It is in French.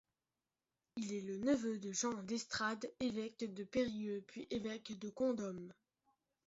Il est le neveu de Jean d'Estrades évêque de Périgueux puis évêque de Condom.